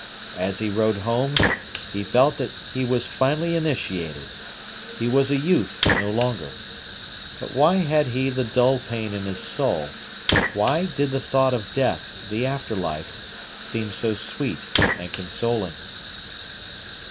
As he rode home he felt that he was finally initiated. He was a youth no longer. But why had he the dull pain in his soul? Why did the thought of death, the after life, seem so sweet and consoling?